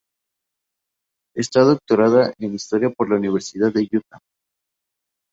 Está doctorada en historia por la Universidad de Utah.